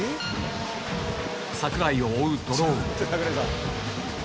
櫻井を追うドローン。